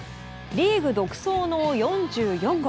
リーグ独走の４４号。